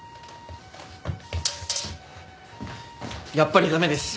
やっぱり駄目です。